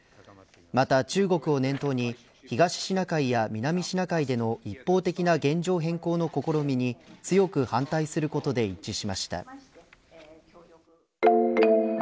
また中国を念頭に東シナ海や南シナ海での一方的な現状変更の試みに強く反対することで一致しました。